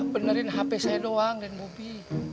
benerin hp saya doang den bobby